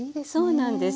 そうなんですね。